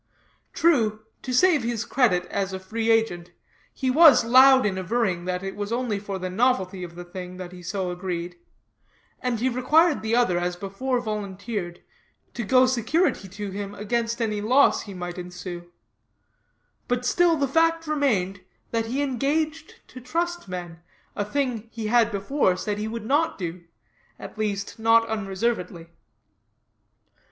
True, to save his credit as a free agent, he was loud in averring that it was only for the novelty of the thing that he so agreed, and he required the other, as before volunteered, to go security to him against any loss that might ensue; but still the fact remained, that he engaged to trust men, a thing he had before said he would not do, at least not unreservedly.